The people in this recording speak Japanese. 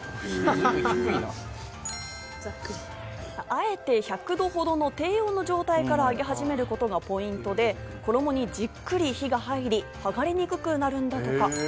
あえて１００度ほどの低温の状態から揚げ始めることがポイントで、衣にじっくり火が入り、剥がれにくくなるんだとか。